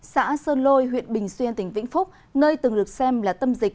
xã sơn lôi huyện bình xuyên tỉnh vĩnh phúc nơi từng được xem là tâm dịch